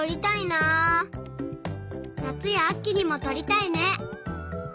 なつやあきにもとりたいね！